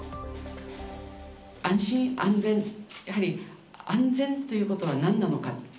安心安全、やはり安全ということはなんなのかって。